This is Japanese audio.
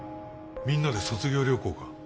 みんなで卒業旅行か？